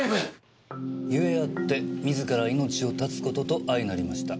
「故あって自ら命を絶つこととあいなりました」